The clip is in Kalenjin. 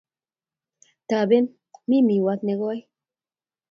topen mii miwayat nekoi